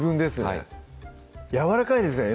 はいやわらかいですね